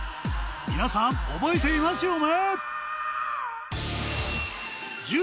皆さん覚えていますよね？